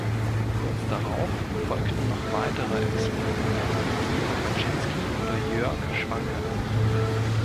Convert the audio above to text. Kurz darauf folgten noch weitere Ex-Unioner wie Nico Patschinski oder Jörg Schwanke.